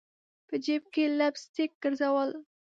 په جیب کي لپ سټک ګرزول